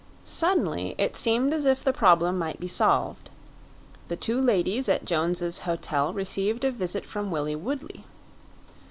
Suddenly it seemed as if the problem might be solved; the two ladies at Jones's Hotel received a visit from Willie Woodley.